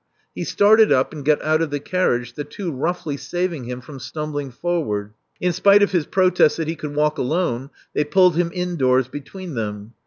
He siaried up and got out of the carriage, the two roughly simng him from stumbling forward. In spite of his protests that he could walk alone they pulled >r.m indoors between them.